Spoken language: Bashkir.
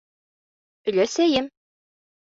Өләсәйем: